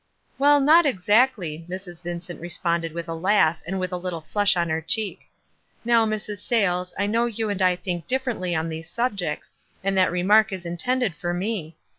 "Well, not exactly," Mrs. Vincent responded with a laugh, and a little flush on her cheek. "Now, Mrs. Sayles, I know you and I think differently on these subjects, and that remark is intended for me.